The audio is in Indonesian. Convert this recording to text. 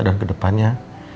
dan ke depannya